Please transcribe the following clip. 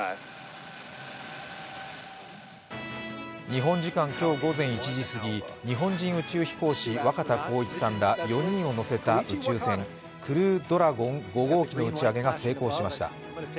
日本時間今日午前１時すぎ、日本人宇宙飛行士若田光一さんら４人を乗せた宇宙船「クルードラゴン５号機」の打ち上げが成功しました。